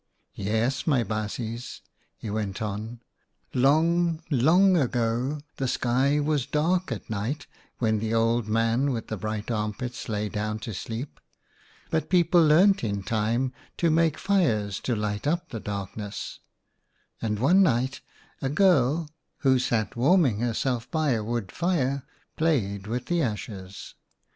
"Yes, my baasjes," he went on, "long, long ago, the sky was dark at night when the Old Man with the bright armpits lay down to sleep, but people learned in time to make fires to light up the darkness ; and one night a girl, who sat warming herself by a wood fire, played with the ashes.